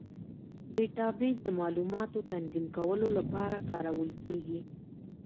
ډیټابیس د معلوماتو تنظیم کولو لپاره کارول کېږي.